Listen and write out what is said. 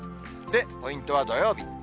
ポイントは土曜日。